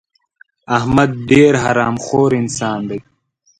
احمد ډېر حرام خور انسان دی.